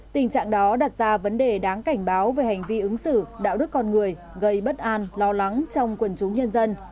tình trạng đó đặt ra vấn đề đáng cảnh báo về hành vi ứng xử đạo đức con người gây bất an lo lắng trong quần chúng nhân dân